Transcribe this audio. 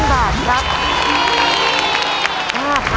๕๐๐๐บาทครับ